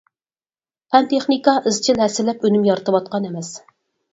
پەن-تېخنىكا ئىزچىل ھەسسىلەپ ئۈنۈم يارىتىۋاتقان ئەمەس.